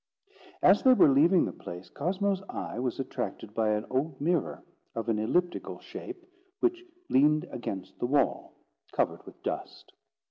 As they were leaving the place, Cosmo's eye was attracted by an old mirror of an elliptical shape, which leaned against the wall, covered with dust.